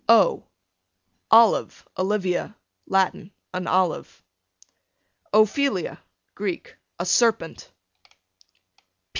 O Olive, Olivia, Latin, an olive. Ophelia, Greek, a serpent.